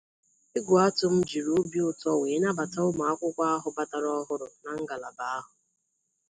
Egwuatum jiri obi ụtọ wee nabata ụmụakwụkwọ ahụ batara ọhụrụ na ngalaba ahụ